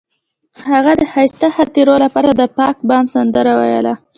هغې د ښایسته خاطرو لپاره د پاک بام سندره ویله.